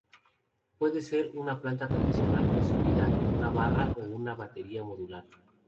Puede ser una planta tradicional construida en barra o una batería modular.